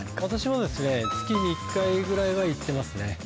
私も月に１回ぐらいは行ってますね。